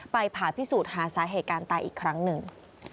ผ่าพิสูจน์หาสาเหตุการณ์ตายอีกครั้งหนึ่ง